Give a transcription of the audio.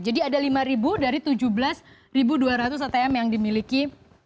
jadi ada lima dari tujuh belas dua ratus atm yang dimiliki